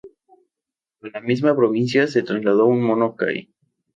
A la misma provincia se trasladó un mono cai.